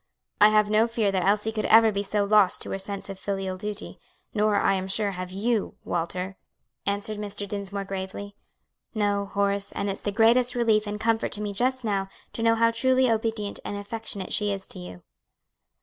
"I have no fear that Elsie could ever be so lost to her sense of filial duty; nor, I am sure, have you, Walter," answered Mr. Dinsmore gravely. "No, Horace; and it's the greatest relief and comfort to me just now to know how truly obedient and affectionate she is to you."